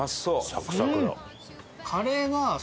サクサクだ。